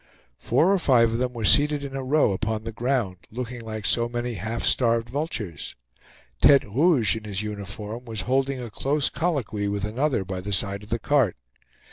Four or five of them were seated in a row upon the ground, looking like so many half starved vultures. Tete Rouge, in his uniform, was holding a close colloquy with another by the side of the cart.